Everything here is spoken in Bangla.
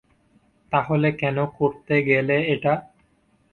তাহলে কেন করতে গেলে এটা?